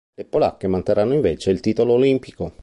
Le polacche manterranno invece il titolo olimpico.